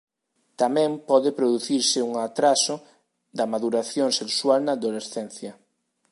Tamén pode producirse un atraso da maduración sexual na adolescencia.